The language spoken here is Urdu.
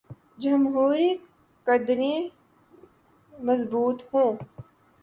جمہوری قدریں مضبوط ہوں۔